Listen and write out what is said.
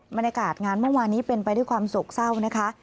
บรรยากาศงานเมื่อวานนี้เป็นไปด้วยความโศกเศร้านะคะ